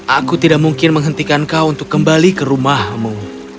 aku tidak mungkin menghentikan kau untuk kembali ke rumahmu